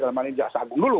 dalam hal ini jaksa agung dulu